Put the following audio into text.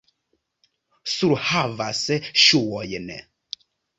Surhavas ŝuojn.